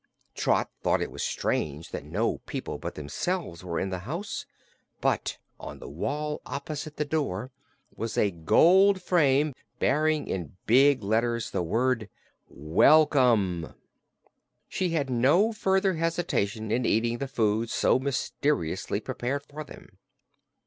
Trot thought it was strange that no people but themselves were in the house, but on the wall opposite the door was a gold frame bearing in big letters the word: "WELCOME." So she had no further hesitation in eating of the food so mysteriously prepared for them.